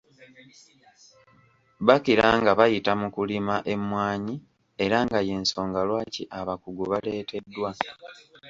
Bakira nga bayita mu kulima emmwanyi era nga y’ensonga lwaki abakugu baleeteddwa.